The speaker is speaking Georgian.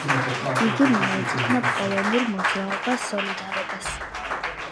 იგი მიეძღვნა პოლონურ მოძრაობა „სოლიდარობას“.